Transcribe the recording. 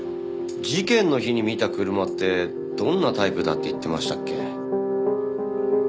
事件の日に見た車ってどんなタイプだって言ってましたっけ？